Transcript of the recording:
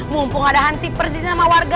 mumpung ada hansi persis sama warga